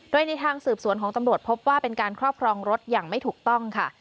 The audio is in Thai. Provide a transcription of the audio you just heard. โดยในทางสืบสวนของตำรวจพบว่าเป็นการครอบครองรถอย่างไม่ถูกต้องค่ะ